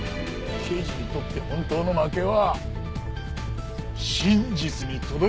刑事にとって本当の負けは真実に届かねえこったな！